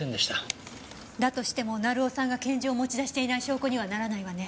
だとしても成尾さんが拳銃を持ち出していない証拠にはならないわね。